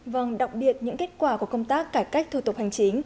vâng đọc biệt những kết quả của công tác cải cách thu tục hành chính